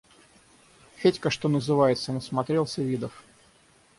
Федька, что называется, насмотрелся видов.